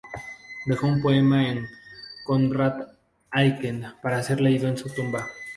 Dejó un poema de Conrad Aiken para ser leído en su tumba.